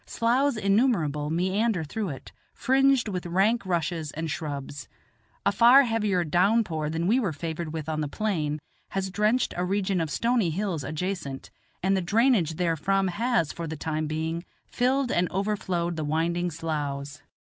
Sloughs innumerable meander through it, fringed with rank rushes and shrubs. A far heavier down pour than we were favored with on the plain has drenched a region of stony hills adjacent, and the drainage therefrom has, for the time being, filled and overflowed the winding sloughs.